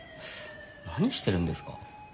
何してるんですか？